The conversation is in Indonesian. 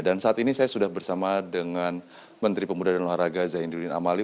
dan saat ini saya sudah bersama dengan menteri pemuda dan olahraga zainuddin amali